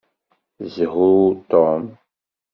Shu Tom!